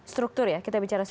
struktur ya kita bicara